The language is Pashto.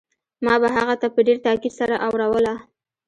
ما به هغه ته په ډېر تاکيد سره اوروله.